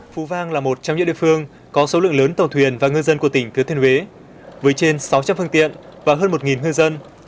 phú vang là một trong những địa phương có số lượng lớn tàu thuyền và ngư dân của tỉnh thứa thiên huế với trên sáu trăm linh phương tiện và hơn một ngư dân